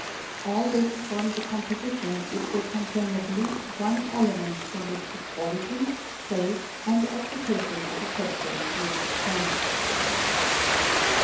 All this forms a composition which will contain at least one element from which the quality, trade, and occupation of a person tay be determined.